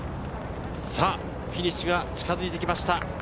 フィニッシュが近づいてきました。